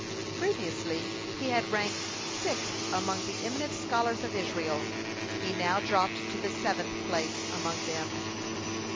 Previously he had ranked sixth among the eminent scholars of Israel, he now dropped to the seventh place among them.